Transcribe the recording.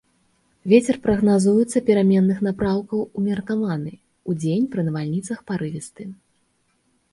Вецер прагназуецца пераменных напрамкаў умеркаваны, удзень пры навальніцах парывісты.